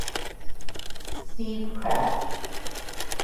Steve Crabb.